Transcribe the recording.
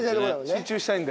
集中したいんで。